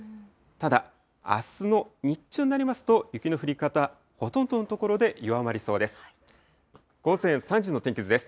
ただ、あすの日中になりますと、雪の降り方、ほとんどの所で弱まりそうです。